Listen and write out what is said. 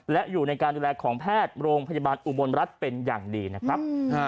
และอยู่ในการดูแลของแพทย์โรงพยาบาลอุบลรัฐเป็นอย่างดีนะครับ